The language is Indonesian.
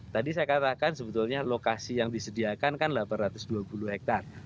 tadi saya katakan sebetulnya lokasi yang disediakan kan delapan ratus dua puluh hektare